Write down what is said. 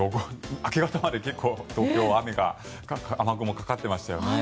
明け方まで結構、東京は雨雲がかかっていましたよね。